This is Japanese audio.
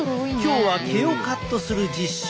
今日は毛をカットする実習。